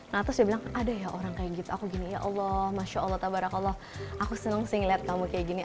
nah terus dia bilang ada ya orang kayak gitu aku gini ya allah masya allah tabarak allah aku seneng sih ngeliat kamu kayak gini